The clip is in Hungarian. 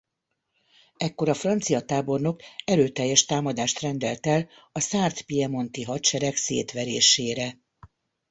Ekkor a francia tábornok erőteljes támadást rendelt el a szárd–piemonti hadsereg szétverésére.